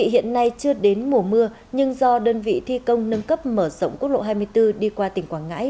hiện nay chưa đến mùa mưa nhưng do đơn vị thi công nâng cấp mở rộng quốc lộ hai mươi bốn đi qua tỉnh quảng ngãi